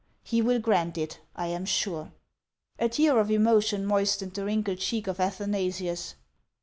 He will grant it, I am sure." A tear of emotion moistened the wrinkled cheek of Athanasius.